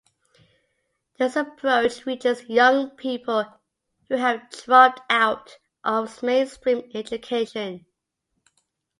This approach reaches young people who have dropped out of mainstream education.